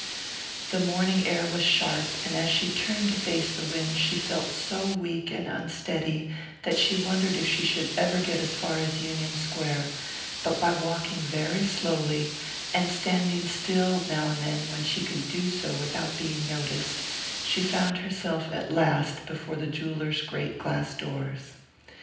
The morning air was sharp, and as she turned to face the wind she felt so weak and unsteady that she wondered if she should ever get as far as Union Square; but by walking very slowly, and standing still now and then when she could do so without being noticed, she found herself at last before the jeweller's great glass doors.